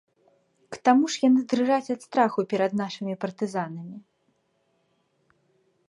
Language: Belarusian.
К таму ж яны дрыжаць ад страху перад нашымі партызанамі.